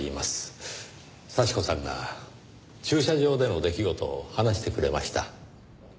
幸子さんが駐車場での出来事を話してくれました。